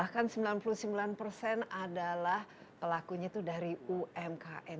dan yang terakhir adalah pelakunya itu dari umkm